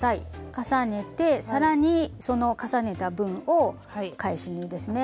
重ねて更にその重ねた分を返し縫いですね。